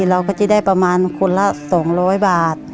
เราก็จะได้ประมาณคนละ๒๐๐บาท